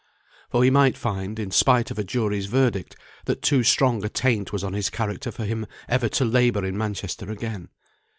For he might find, in spite of a jury's verdict, that too strong a taint was on his character for him ever to labour in Manchester again.